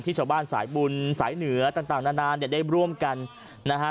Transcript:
ชาวบ้านสายบุญสายเหนือต่างนานาเนี่ยได้ร่วมกันนะฮะ